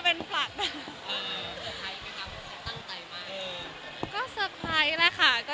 มีความสุขมากค่ะ